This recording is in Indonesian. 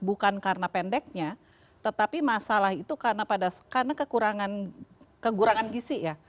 bukan karena pendeknya tetapi masalah itu karena kekurangan gisi ya